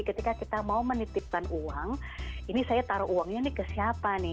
ketika kita mau menitipkan uang ini saya taruh uangnya nih ke siapa nih